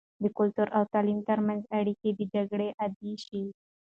د کلتور او تعليم تر منځ اړیکه د جګړې ادعایی شې.